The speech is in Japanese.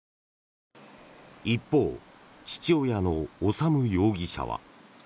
一方、父親の修容疑者は。